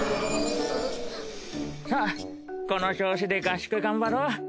さあこの調子で合宿頑張ろう！